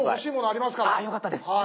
あっよかったです。